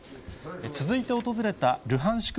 続いて訪れたルハンシク